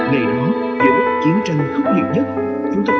ngày đó giữa chiến tranh khốc liệt nhất